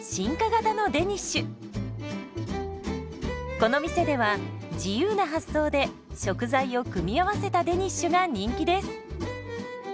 この店では自由な発想で食材を組み合わせたデニッシュが人気です。